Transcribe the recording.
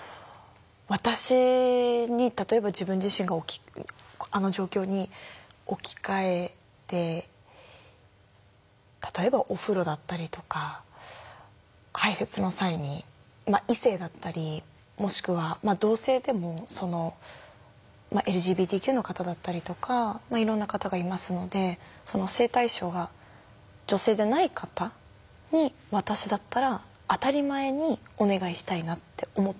私に例えば自分自身があの状況に置き換えて例えばお風呂だったりとか排せつの際に異性だったりもしくは同性でもＬＧＢＴＱの方だったりとかいろんな方がいますので性対象が女性じゃない方に私だったら当たり前にお願いしたいなって思いましたね。